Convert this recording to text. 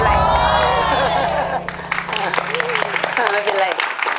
ไม่เป็นไร